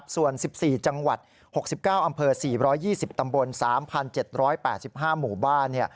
ส่วน๑๔จังหวัด๖๙อำเภอ๔๒๐ตำบล๓๗๘๕หมู่บ้าน